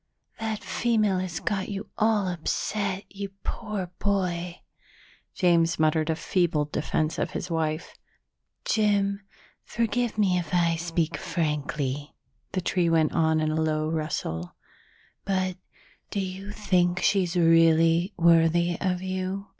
That female has got you all upset, you poor boy." James muttered a feeble defense of his wife. "Jim, forgive me if I speak frankly," the tree went on in a low rustle, "but do you think she's really worthy of you?"